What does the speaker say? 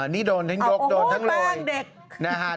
นี่โดนทั้งยกโดนทั้งโรยโอ้โฮแป้งเด็ก